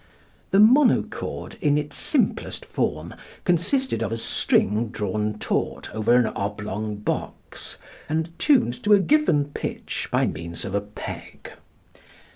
The monochord in its simplest form consisted of a string drawn taut over an oblong box and tuned to a given pitch by means of a peg.